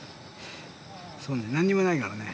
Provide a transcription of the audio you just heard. そうね、なんにもないからね。